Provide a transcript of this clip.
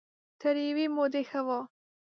تر يوې مودې ښه وو.